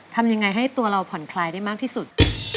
ทำยังไงให้ตัวเราผ่อนคลายได้มากที่สุด